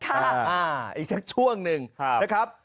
อาอีกแค่ช่วงหนึ่งนะครับ